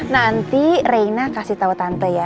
nanti reina kasih tahu tante ya